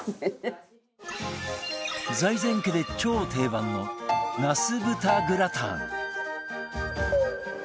財前家で超定番のナス豚グラタン